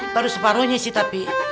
baru separuhnya sih tapi